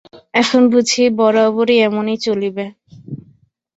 এখন বুঝি বরাবরই এমনি চলিবে।